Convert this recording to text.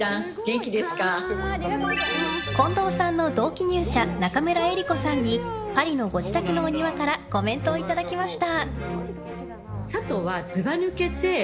近藤さんの同期入社中村江里子さんにパリのご自宅のお庭からコメントをいただきました。